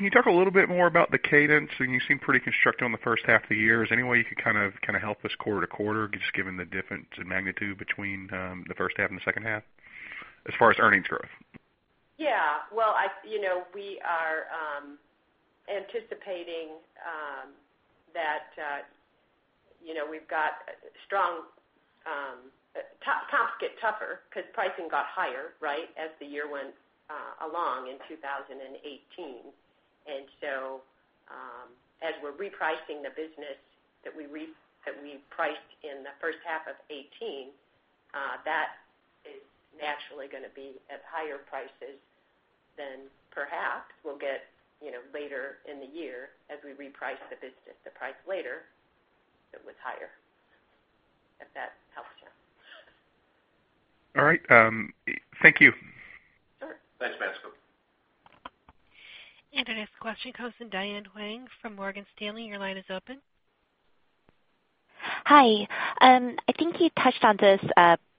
Can you talk a little bit more about the cadence? You seem pretty constructive on the first half of the year. Is there any way you could kind of help us quarter to quarter, just given the difference in magnitude between the first half and the second half as far as earnings growth? Yeah. Well, we are anticipating that we've got strong comps get tougher because pricing got higher as the year went along in 2018. As we're repricing the business that we priced in the first half of 2018, that is naturally going to be at higher prices than perhaps we'll get later in the year as we reprice the business, the price later that was higher, if that helps you. All right. Thank you. Sure. Thanks, Matthew. Our next question comes from Diane Huang from Morgan Stanley. Your line is open. Hi. I think you touched on this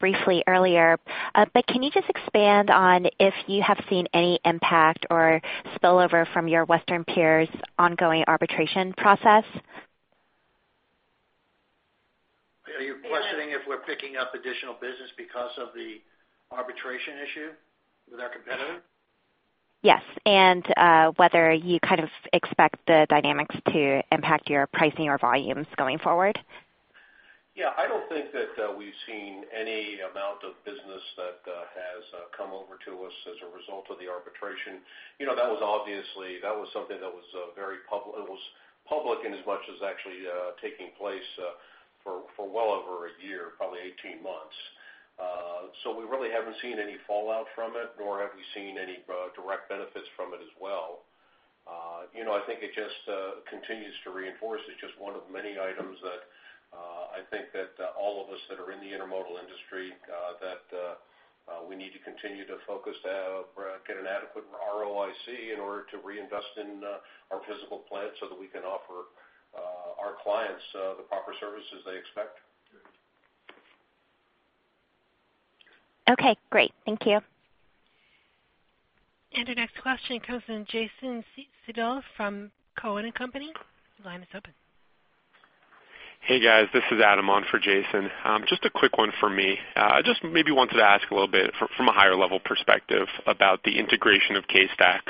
briefly earlier, but can you just expand on if you have seen any impact or spillover from your western peers' ongoing arbitration process? Are you questioning if we're picking up additional business because of the arbitration issue with our competitor? Yes. Whether you kind of expect the dynamics to impact your pricing or volumes going forward. Yeah. I don't think that we've seen any amount of business that has come over to us as a result of the arbitration. That was something that was very public, and as much as actually taking place for well over a year, probably 18 months. We really haven't seen any fallout from it, nor have we seen any direct benefits from it as well. I think it just continues to reinforce, it's just one of many items that I think that all of us that are in the intermodal industry, that we need to continue to focus to get an adequate ROIC in order to reinvest in our physical plant so that we can offer our clients the proper services they expect. Good. Okay, great. Thank you. Our next question comes from Jason Seidl from Cowen and Company. Your line is open. Hey, guys, this is Adam on for Jason. Just a quick one for me. I just maybe wanted to ask a little bit from a higher level perspective about the integration of CaseStack.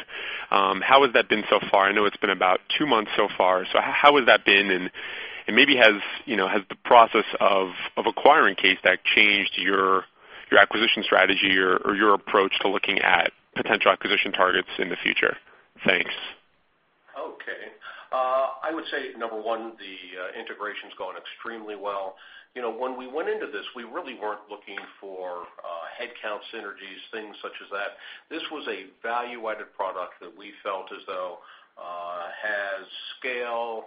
How has that been so far? I know it's been about two months so far. How has that been? Maybe has the process of acquiring CaseStack changed your acquisition strategy or your approach to looking at potential acquisition targets in the future? Thanks. Okay. I would say, number one, the integration's going extremely well. When we went into this, we really weren't looking for headcount synergies, things such as that. This was a value-added product that we felt as though has scale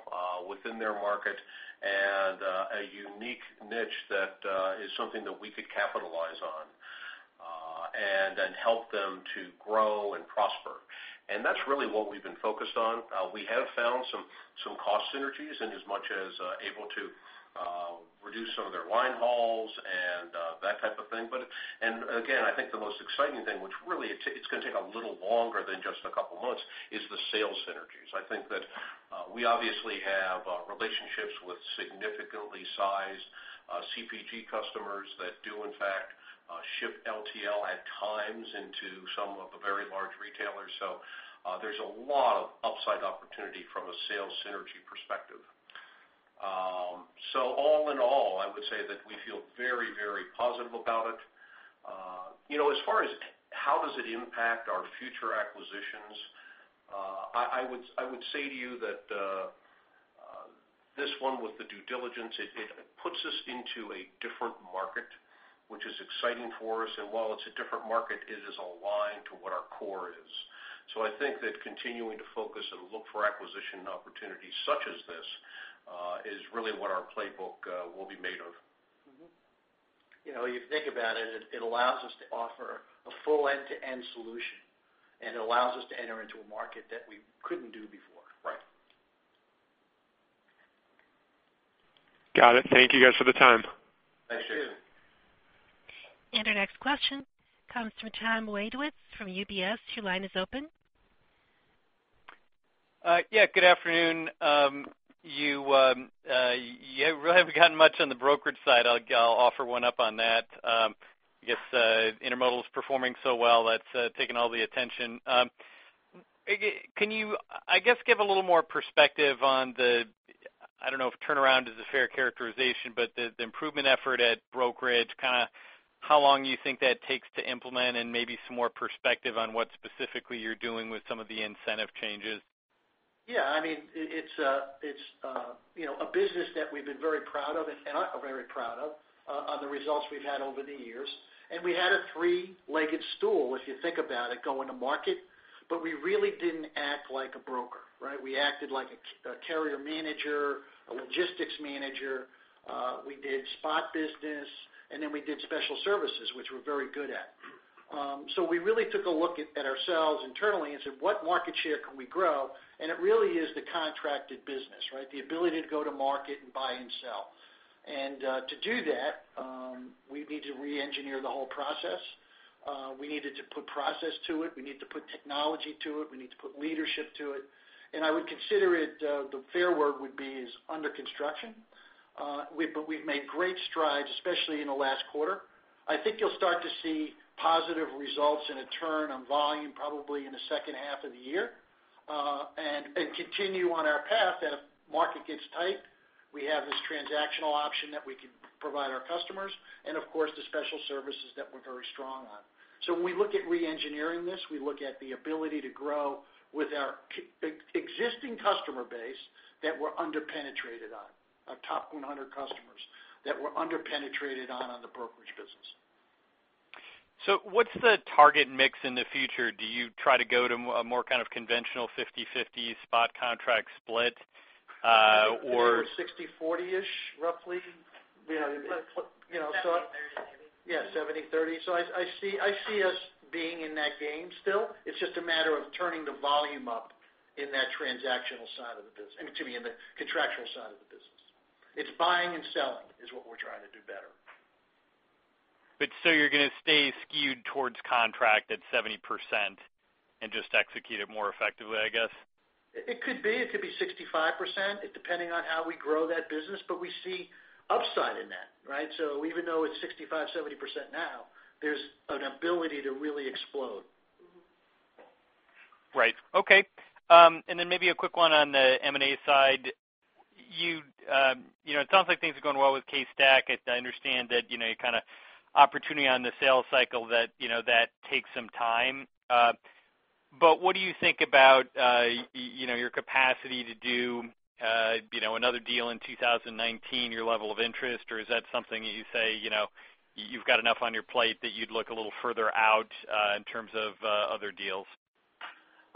within their market and a unique niche that is something that we could capitalize on and help them to grow and prosper. That's really what we've been focused on. We have found some cost synergies and as much as able to reduce some of their line hauls and that type of thing. Again, I think the most exciting thing, which really it's going to take a little longer than just a couple of months, is the sales synergies. I think that we obviously have relationships with significantly sized CPG customers that do in fact ship LTL at times into some of the very large retailers. There's a lot of upside opportunity from a sales synergy perspective. All in all, I would say that we feel very, very positive about it. As far as how does it impact our future acquisitions, I would say to you that this one with the due diligence, it puts us into a different market, which is exciting for us. While it's a different market, it is aligned to what our core is. I think that continuing to focus and look for acquisition opportunities such as this is really what our playbook will be made of. If you think about it allows us to offer a full end-to-end solution, and it allows us to enter into a market that we couldn't do before. Right. Got it. Thank you guys for the time. Thank you. Our next question comes from Thomas Wadewitz from UBS. Your line is open. Yeah, good afternoon. You really haven't gotten much on the brokerage side. I'll offer one up on that. I guess intermodal is performing so well, that's taken all the attention. Can you, I guess, give a little more perspective on the, I don't know if turnaround is a fair characterization, but the improvement effort at brokerage, how long you think that takes to implement and maybe some more perspective on what specifically you're doing with some of the incentive changes? Yeah. It's a business that we've been very proud of, and are very proud of, on the results we've had over the years. We had a three-legged stool, if you think about it, going to market, but we really didn't act like a broker. We acted like a carrier manager, a logistics manager. We did spot business, and then we did special services, which we're very good at. We really took a look at ourselves internally and said, "What market share can we grow?" It really is the contracted business. The ability to go to market and buy and sell. To do that, we need to re-engineer the whole process. We needed to put process to it. We need to put technology to it. We need to put leadership to it. I would consider it, the fair word would be is under construction. We've made great strides, especially in the last quarter. I think you'll start to see positive results and a turn on volume probably in the second half of the year. Continue on our path that if market gets tight, we have this transactional option that we can provide our customers. Of course, the special services that we're very strong on. When we look at re-engineering this, we look at the ability to grow with our existing customer base that we're under-penetrated on, our top 100 customers that we're under-penetrated on the brokerage business. What's the target mix in the future? Do you try to go to a more kind of conventional 50/50 spot contract split? I think we're 60/40-ish, roughly. 70/30. Yeah, 70/30. I see us being in that game still. It's just a matter of turning the volume up in that transactional side of the business. Excuse me, in the contractual side of the business. It's buying and selling is what we're trying to do better. You're going to stay skewed towards contract at 70% and just execute it more effectively, I guess? It could be. It could be 65%, depending on how we grow that business. We see upside in that. Even though it's 65, 70% now, there's an ability to really explode. Right. Okay. Maybe a quick one on the M&A side. It sounds like things are going well with CaseStack. I understand that kind of opportunity on the sales cycle that takes some time. What do you think about your capacity to do another deal in 2019, your level of interest, or is that something that you say you've got enough on your plate that you'd look a little further out in terms of other deals?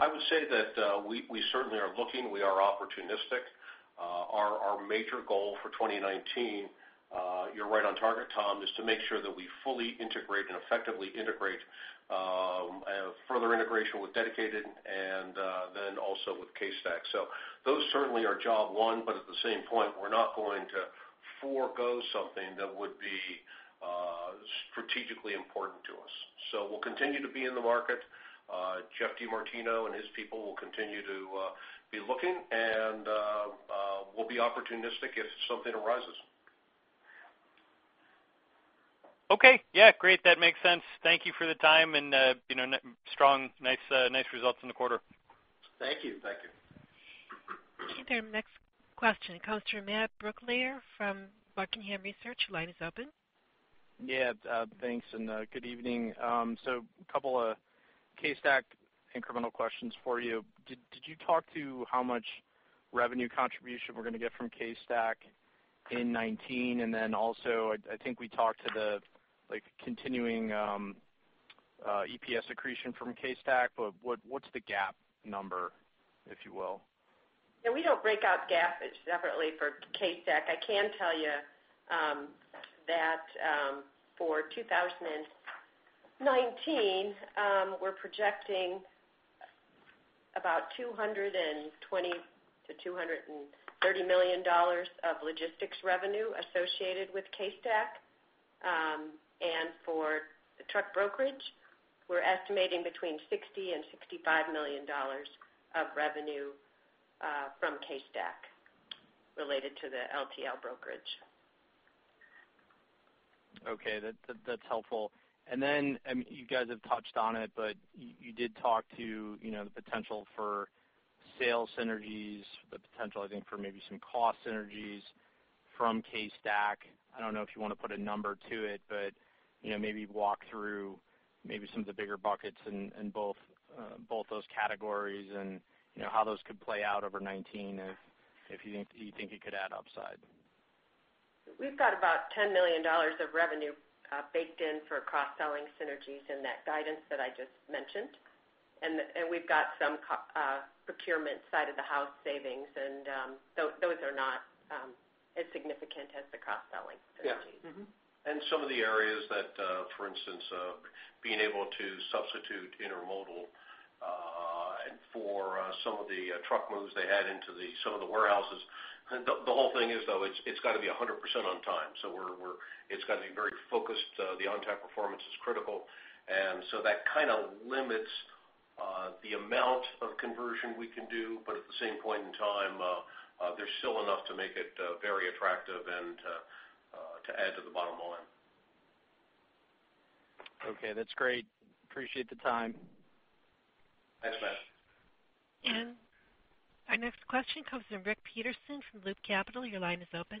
I would say that we certainly are looking, we are opportunistic. Our major goal for 2019, you're right on target, Tom, is to make sure that we fully integrate and effectively integrate, further integration with Dedicated also with CaseStack. Those certainly are job one, at the same point, we're not going to forego something that would be strategically important to us. We'll continue to be in the market. Geoff DeMartino and his people will continue to be looking, and we'll be opportunistic if something arises. Okay. Yeah, great. That makes sense. Thank you for the time and strong, nice results in the quarter. Thank you. Thank you. Okay, our next question comes from Matt Brooklier from Buckingham Research. Your line is open. Yeah, thanks, and good evening. A couple of CaseStack incremental questions for you. Did you talk to how much revenue contribution we're going to get from CaseStack in 2019? Also, I think we talked to the continuing EPS accretion from CaseStack, what's the GAAP number, if you will? We don't break out GAAP separately for CaseStack. I can tell you that for 2019, we're projecting about $220 million-$230 million of logistics revenue associated with CaseStack. For the truck brokerage, we're estimating between $60 million-$65 million of revenue from CaseStack related to the LTL brokerage. That's helpful. You guys have touched on it, you did talk to the potential for sales synergies, the potential, I think, for maybe some cost synergies from CaseStack. I don't know if you want to put a number to it, maybe walk through maybe some of the bigger buckets in both those categories and how those could play out over 2019, if you think it could add upside. We've got about $10 million of revenue baked in for cross-selling synergies in that guidance that I just mentioned. We've got some procurement side of the house savings, those are not as significant as the cross-selling savings. Yeah. Some of the areas that, for instance, being able to substitute intermodal for some of the truck moves they had into some of the warehouses. The whole thing is, though, it's got to be 100% on time, it's got to be very focused. The on-time performance is critical. That kind of limits the amount of conversion we can do, but at the same point in time, there's still enough to make it very attractive and to add to the bottom line. Okay. That's great. Appreciate the time. Thanks, Matt. Our next question comes from Rick Peterson from Loup Capital. Your line is open.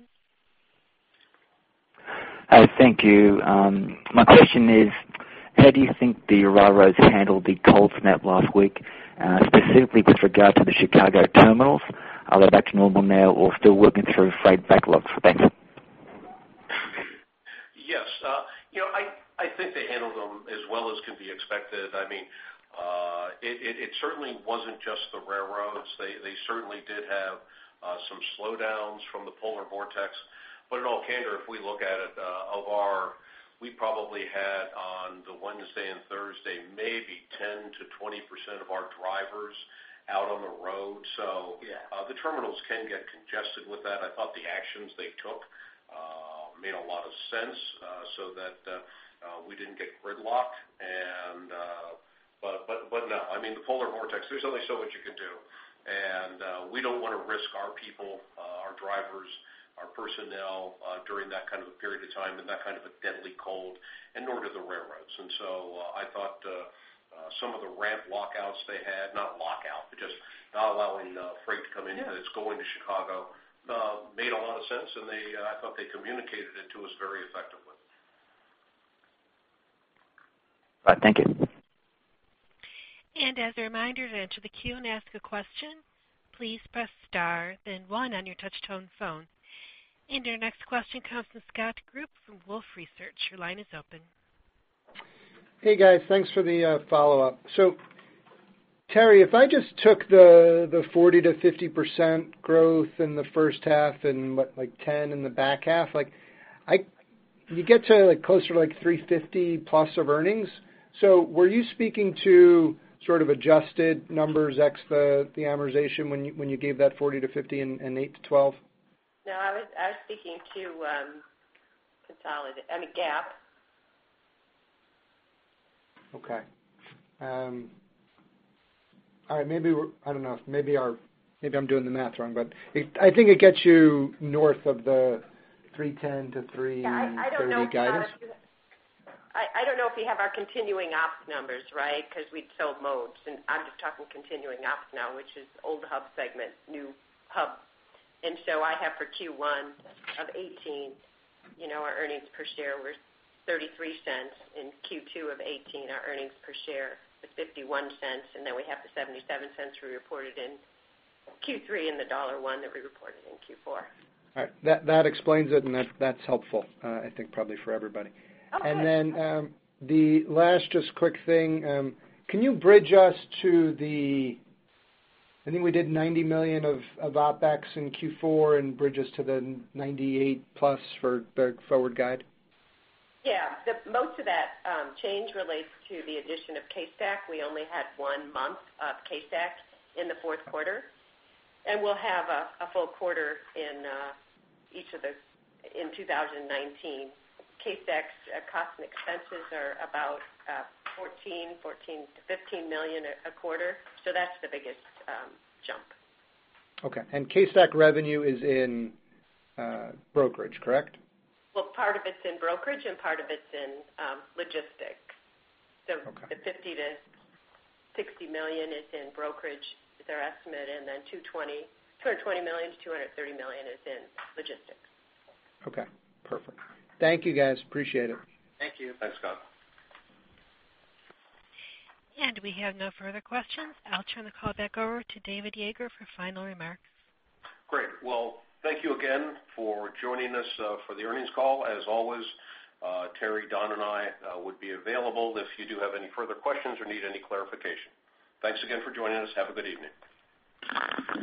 Hi. Thank you. My question is, how do you think the railroads handled the cold snap last week, specifically with regard to the Chicago terminals? Are they back to normal now or still working through freight backlogs? Thanks. Yes. I think they handled them as well as can be expected. It certainly wasn't just the railroads. They certainly did have some slowdowns from the polar vortex. In all candor, if we look at it, we probably had on the Wednesday and Thursday, maybe 10%-20% of our drivers out on the road. The terminals can get congested with that. I thought the actions they took made a lot of sense so that we didn't get gridlocked. No, I mean, the polar vortex, there's only so much you can do. We don't want to risk our people, our drivers, our personnel during that kind of a period of time and that kind of a deadly cold, nor do the railroads. I thought some of the ramp walkouts they had, not walkout, but just not allowing freight to come in that's going to Chicago, made a lot of sense, and I thought they communicated it to us very effectively. Right. Thank you. As a reminder to enter the queue and ask a question, please press star then 1 on your touch-tone phone. Our next question comes from Scott Group from Wolfe Research. Your line is open. Hey, guys. Thanks for the follow-up. Terri, if I just took the 40%-50% growth in the first half and like 10% in the back half, you get to closer to like $350 plus of earnings. Were you speaking to sort of adjusted numbers ex the amortization when you gave that 40%-50% and 8%-12%? I was speaking to consolidated, I mean, GAAP. Okay. All right. Maybe I do not know. Maybe I am doing the math wrong, but I think it gets you north of the $310-$330 guidance. I don't know if we have our continuing ops numbers, right? Because we'd sold Mode, I'm just talking continuing ops now, which is old Hub segment, new Hub. I have for Q1 of 2018, our earnings per share were $0.33. In Q2 of 2018, our earnings per share to $0.51. We have the $0.77 we reported in Q3 and the $1.01 that we reported in Q4. All right. That explains it, and that's helpful, I think probably for everybody. Oh, good. The last just quick thing, can you bridge us to the, I think we did $90 million of OpEx in Q4 and bridge us to the 98+ for the forward guide? Yeah. Most of that change relates to the addition of CaseStack. We only had one month of CaseStack in the fourth quarter, and we'll have a full quarter in each of those in 2019. CaseStack's cost and expenses are about $14 million-$15 million a quarter. That's the biggest jump. Okay. CaseStack revenue is in brokerage, correct? Part of it's in brokerage and part of it's in logistics. Okay. The $50 million-$60 million is in brokerage is our estimate, $220 million-$230 million is in logistics. Okay. Perfect. Thank you, guys. Appreciate it. Thank you. Thanks, Scott. We have no further questions. I'll turn the call back over to David Yeager for final remarks. Great. Well, thank you again for joining us for the earnings call. As always, Terri, Don, and I would be available if you do have any further questions or need any clarification. Thanks again for joining us. Have a good evening.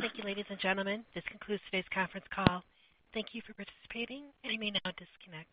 Thank you, ladies and gentlemen. This concludes today's conference call. Thank you for participating. You may now disconnect.